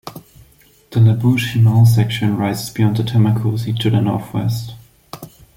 The Labuche Himal section rises beyond the Tamakosi to the northwest.